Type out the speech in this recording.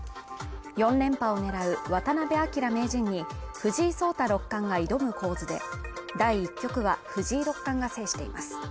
４連覇を狙う渡辺明名人に藤井聡太六冠が挑む構図で、第１局は藤井六冠が制しています。